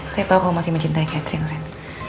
saya tau kau masih mencintai catherine ren